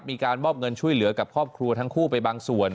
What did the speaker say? มีการมอบเงินช่วยเหลือกับครอบครัวทั้งคู่ไปบางส่วน